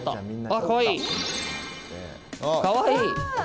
あかわいい！